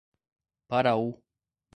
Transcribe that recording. Paraú